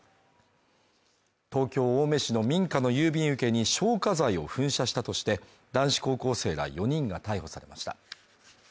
東京青梅市の民家の郵便受けに消火剤を噴射したとして男子高校生ら４人が逮捕されました。